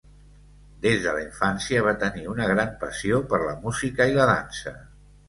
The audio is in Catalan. Des de la infància va tenir una gran passió per la música i la dansa.